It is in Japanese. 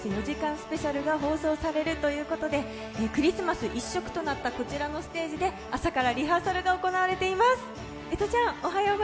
スペシャルが放送されるということでクリスマス一色となったこちらのステージで朝からリハーサルが行われています。